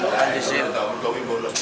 tidak ada di sini